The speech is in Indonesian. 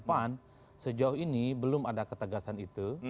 pan sejauh ini belum ada ketegasan itu